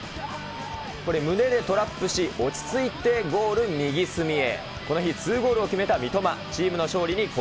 これ、胸でトラップし、落ち着いてゴール、右隅へ。